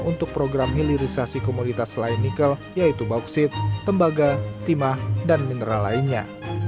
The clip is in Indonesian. untuk program hilirisasi komoditas lain nikel yaitu bauksit tembaga timah dan mineral lainnya